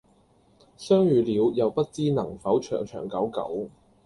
相遇了又不知能否長長久久